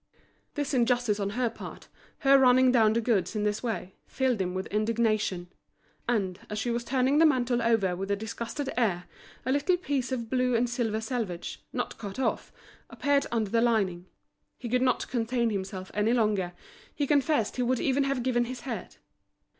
This injustice on her part, her running down the goods in this way, filled him with indignation. And, as she was still turning the mantle over with a disgusted air, a little piece of the blue and silver selvage, not cut off, appeared under the lining. He could not contain himself any longer; he confessed he would even have given his head.